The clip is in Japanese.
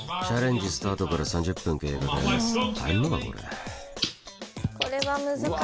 チャレンジスタートから３０分経過です。